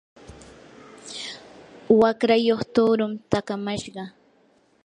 waqrayuq tuurun takamashqa.